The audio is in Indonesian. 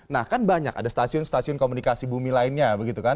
nah kan banyak ada stasiun stasiun komunikasi bumi lainnya begitu kan